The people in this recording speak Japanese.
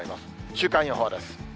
週間予報です。